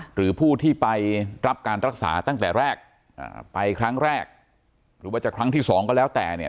หรือผู้ที่ไปรับการรักษาตั้งแต่แรกไปครั้งแรกหรือว่าจะครั้งที่สองก็แล้วแต่เนี่ย